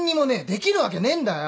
できるわけねえんだよ！